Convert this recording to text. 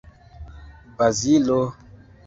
Bazilo!